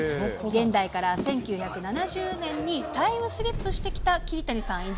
現代から１９７０年にタイムスリップしてきた桐谷さん